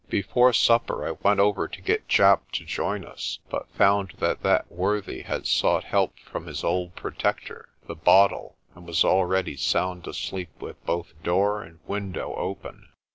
Before supper I went over to get Japp to join us, but found that that worthy had sought help from his old protector, the bottle, and was already sound asleep with both door and window open.